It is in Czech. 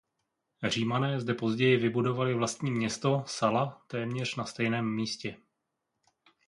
Římané zde později vybudovali vlastní město Sala téměř na stejném místě.